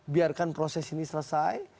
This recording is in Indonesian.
biarkan proses ini selesai